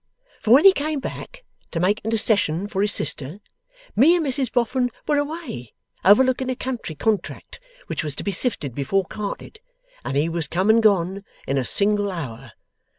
For when he came back to make intercession for his sister, me and Mrs Boffin were away overlooking a country contract which was to be sifted before carted, and he was come and gone in a single hour.